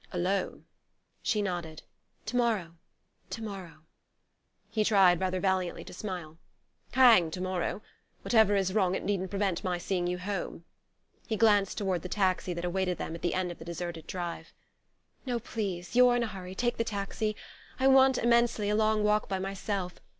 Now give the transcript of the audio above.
"Alone?" She nodded. "To morrow to morrow...." He tried, rather valiantly, to smile. "Hang to morrow! Whatever is wrong, it needn't prevent my seeing you home." He glanced toward the taxi that awaited them at the end of the deserted drive. "No, please. You're in a hurry; take the taxi. I want immensely a long long walk by myself...